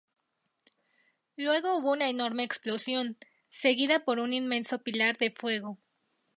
Luego hubo una enorme explosión, seguida por un inmenso pilar de fuego.